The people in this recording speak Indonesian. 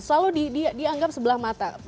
selalu dianggap sebelah mata